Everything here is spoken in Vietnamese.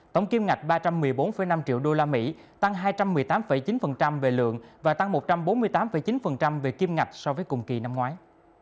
tổng kim ngạch ba trăm một mươi bốn năm triệu usd tăng hai trăm một mươi tám chín về lượng và tăng một trăm bốn mươi tám chín về kim ngạch so với cùng kỳ năm ngoái